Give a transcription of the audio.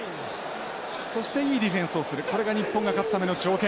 そしていいディフェンスをするこれが日本が勝つための条件。